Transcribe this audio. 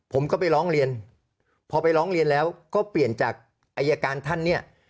ผมก็ไปร้องเรียนพอไปร้องเรียนแล้วก็เปลี่ยนจากอายการท่านเนี่ย